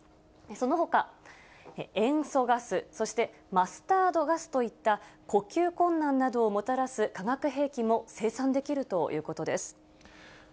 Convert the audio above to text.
そのほか、塩素ガス、そしてマスタードガスといった、呼吸困難などをもたらす化学兵器も生産できるということです。